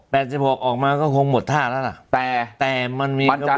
แปดสิบหกออกมาก็คงหมดท่าแล้วล่ะแต่มันมีกระบวนการ